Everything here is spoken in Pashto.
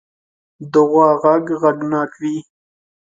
د غوا غږ غږناک وي.